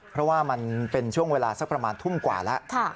เพราะว่ามันเป็นช่วงเวลาสักประมาณทุ่มกว่าแล้ว